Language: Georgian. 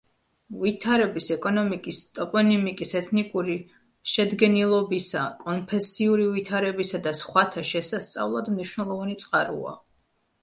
ვითარების, ეკონომიკის, ტოპონიმიკის, ეთნიკური შედგენილობისა, კონფესიური ვითარებისა და სხვათა შესასწავლად მნიშვნელოვანი წყაროა.